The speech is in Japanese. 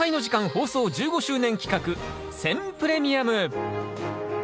放送１５周年企画選プレミアム。